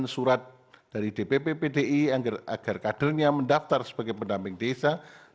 surat dari dpp pdi agar kadernya mendaftar sebagai pendamping desa